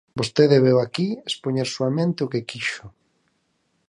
Vostede veu aquí expoñer soamente o que quixo.